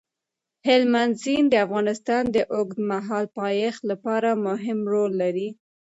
هلمند سیند د افغانستان د اوږدمهاله پایښت لپاره مهم رول لري.